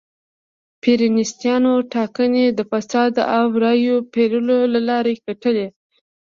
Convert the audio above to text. پېرونیستانو ټاکنې د فساد او رایو پېرلو له لارې ګټلې.